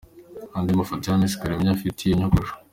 Andi mafoto ya Miss Kalimpinya afite iyo nyogosho .